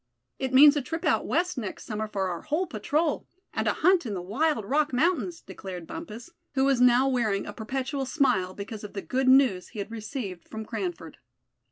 "It means a trip out West next summer for our whole patrol; and a hunt in the wild Rock Mountains;" declared Bumpus, who was now wearing a perpetual smile, because of the good news he had received from Cranford.